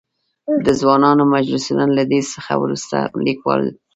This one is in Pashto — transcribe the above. د ځوانانو مجلسونه؛ له دې څخه ورورسته ليکوال.